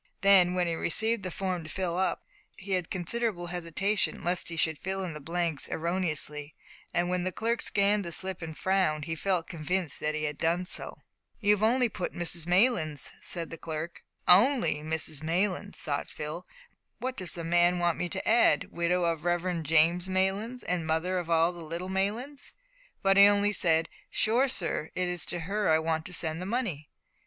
Then, when he received the form to fill up, he had considerable hesitation lest he should fill in the blanks erroneously, and when the clerk scanned the slip and frowned, he felt convinced that he had done so. "You've put only Mrs Maylands," said the clerk. "Only Mrs Maylands!" thought Phil; "does the man want me to add `widow of the Reverend James Maylands, and mother of all the little Maylands?'" but he only said, "Sure, sir, it's to her I want to send the money."